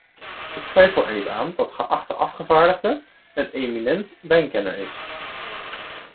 Ik twijfel er niet aan dat de geachte afgevaardigde een eminent wijnkenner is.